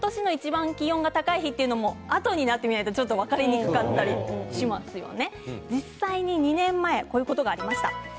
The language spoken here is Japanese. ただ、その年のいちばん気温が高い日というのもあとになってみないとちょっと分かりにくかったりしますよね。